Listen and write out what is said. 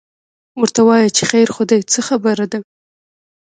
ورته وایي چې خیر خو دی، څه خبره ده؟